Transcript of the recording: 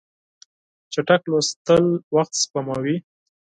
چټک لوستل وخت سپموي.